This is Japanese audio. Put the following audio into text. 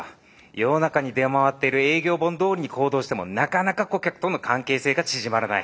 世の中に出回ってる営業本どおりに行動してもなかなか顧客との関係性が縮まらない。